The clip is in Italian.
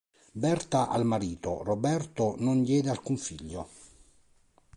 Berta al marito, Roberto non diede alcun figlio.